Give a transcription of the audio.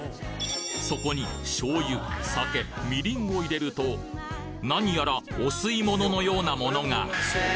そこに醤油酒みりんを入れると何やらお吸い物のようなものがダシ？